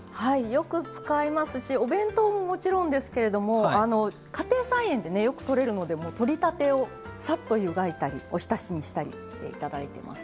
よく使いますしお弁当ももちろんですけれども家庭菜園でねよくとれるのでとりたてをさっと湯がいたりおひたしにしたりしていただいてます。